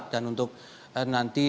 dan untuk nanti